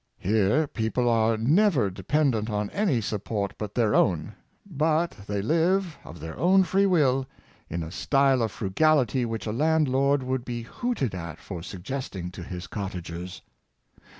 Here, people are never dependent on any support but their own; but Self taxation, 407 they live, of their own free will, in a style of frugality which a landlord would be hooted at for suggesting to his cottagers.